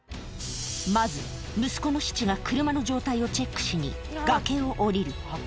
まず、息子のスチュが車の状態をチェックしに、崖を下りる。